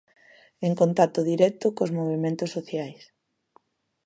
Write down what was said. En contacto directo cos movementos sociais.